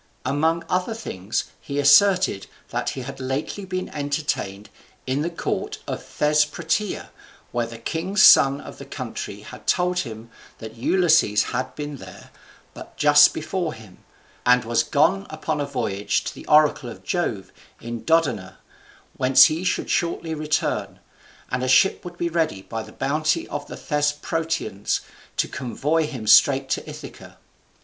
Among other things he asserted that he had lately been entertained in the court of Thesprotia, where the king's son of the country had told him that Ulysses had been there but just before him, and was gone upon a voyage to the oracle of Jove in Dodona, whence he should shortly return, and a ship would be ready by the bounty of the Thesprotians to convoy him straight to Ithaca.